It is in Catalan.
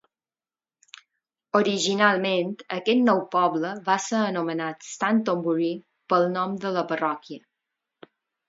Originalment, aquest nou poble va ser anomenat Stantonbury pel nom de la parròquia.